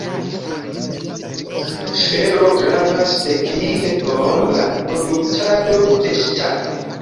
Fero gravas teknike por la produktado de ŝtalo.